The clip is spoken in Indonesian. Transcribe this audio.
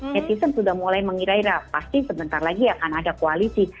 netizen sudah mulai mengira ira pasti sebentar lagi akan ada koalisi